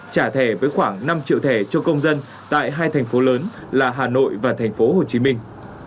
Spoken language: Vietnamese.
trả thẻ với khoảng năm triệu thẻ cho công dân tại hai thành phố lớn là hà nội và thành phố hồ chí minh